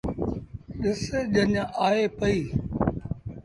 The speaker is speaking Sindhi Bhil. ڏس ڄڃ آئي پئيٚ۔